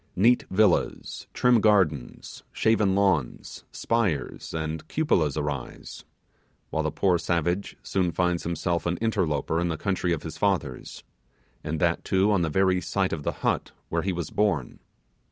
Neat villas, trim gardens, shaven lawns, spires, and cupolas arise, while the poor savage soon finds himself an interloper in the country of his fathers, and that too on the very site of the hut where he was born.